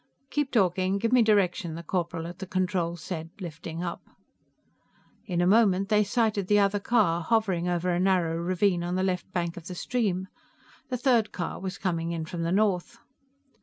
"Keep talking; give me direction," the corporal at the controls said, lifting up. In a moment, they sighted the other car, hovering over a narrow ravine on the left bank of the stream. The third car was coming in from the north.